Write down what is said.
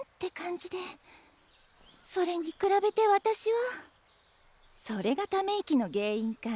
それに比べて私は。それがため息の原因か。